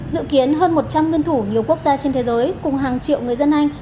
dự kiến hơn một trăm linh nguyên thủ nhiều quốc gia trên thế giới cùng hàng triệu người dân anh